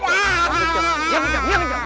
yang jauh yang jauh yang jauh